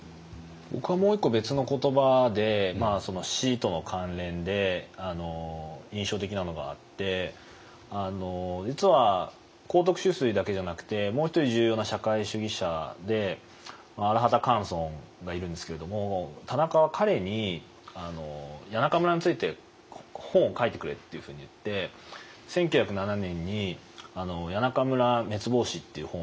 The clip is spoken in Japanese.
僕はもう一個別の言葉でその死との関連で印象的なのがあって実は幸徳秋水だけじゃなくてもう一人重要な社会主義者で荒畑寒村がいるんですけれども田中は彼に「谷中村について本を書いてくれ」っていうふうに言って１９０７年に「谷中村滅亡史」っていう本が出てるんですね。